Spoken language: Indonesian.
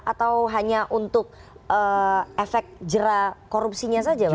atau hanya untuk efek jera korupsinya saja pak